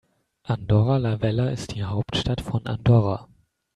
Andorra la Vella ist die Hauptstadt von Andorra.